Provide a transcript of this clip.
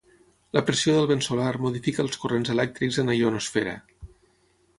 La pressió del vent solar modifica els corrents elèctrics en la ionosfera.